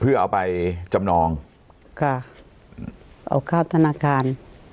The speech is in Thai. เพื่อเอาไปจำนองค่ะเอาข้าวธนาคาร